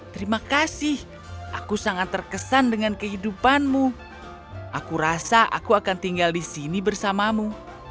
terima kasih aku sangat terkesan dengan kehidupanmu aku rasa aku akan tinggal di sini bersamamu